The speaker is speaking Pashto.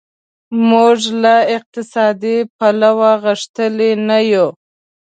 موږ له اقتصادي پلوه غښتلي نه یو.